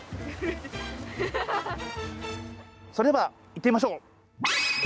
それでは行ってみましょう。